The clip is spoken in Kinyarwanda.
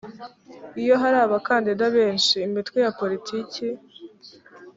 iyo hari abakandida benshi imitwe ya politiki